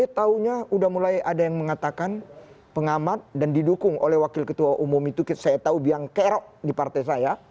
saya tahunya udah mulai ada yang mengatakan pengamat dan didukung oleh wakil ketua umum itu saya tahu biang kerok di partai saya